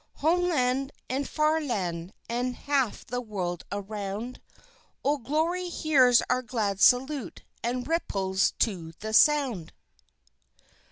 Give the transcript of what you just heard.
Home land and far land and half the world around, Old Glory hears our glad salute and ripples to the sound.